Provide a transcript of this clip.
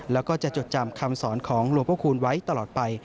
แล้วก็จะจดจำคำสอนของหลวงพระคูณไว้ตลอดไป